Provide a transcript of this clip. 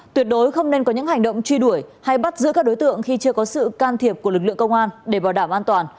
tuyệt đối không nên có những hành động truy đuổi hay bắt giữ các đối tượng khi chưa có sự can thiệp của lực lượng công an để bảo đảm an toàn